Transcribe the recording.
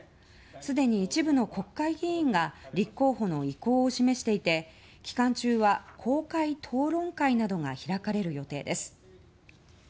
すでに一部の国会議員が立候補の意向を示していて期間中は公開討論会などが開かれる予定です。